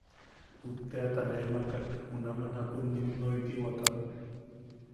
Utteʼata ne makak junam... jakun nim noitiwakaʼu.